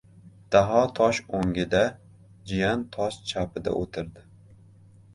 Daho tosh o‘ngida, jiyan tosh chapida o‘tirdi.